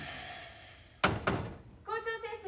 ・校長先生。